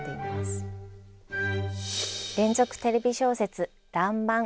「連続テレビ小説らんまん」